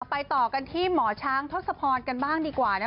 ต่อกันที่หมอช้างทศพรกันบ้างดีกว่า